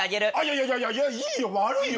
いやいやいやいいよ悪いよ。